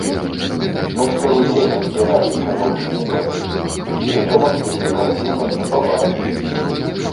Мы цэлы дзень абдзіралі чароўныя бабы і вечарам ён накарміў мяне бабамі.